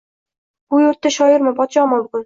Bu yurtda shoirman, podshoman bugun!